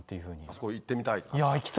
あそこ行ってみたい？